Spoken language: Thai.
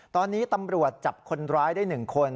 ตอนนี้ตำรวจจับคนร้ายได้๑คน